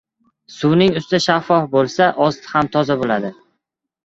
• Suvning usti shaffof bo‘lsa, osti ham toza bo‘ladi.